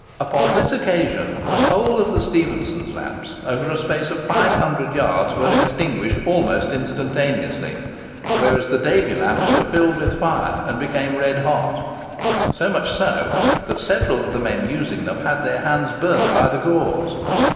Upon this occasion, the whole of the Stephenson's lamps, over a space of five hundred yards, were extinguished almost instantaneously; whereas the Davy lamps were filled with fire, and became red hot—so much so, that several of the men using them had their hands burnt by the gauze.